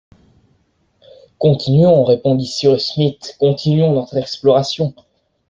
Continuons, répondit Cyrus Smith, continuons notre exploration.